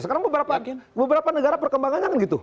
sekarang beberapa negara perkembangannya kan gitu